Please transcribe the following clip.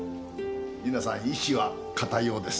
皆さん意志は固いようです。